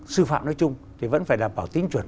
sư phạm nói chung thì vẫn phải đảm bảo tính chuẩn